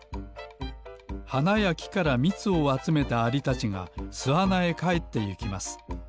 はなやきからみつをあつめたアリたちがすあなへかえってゆきます。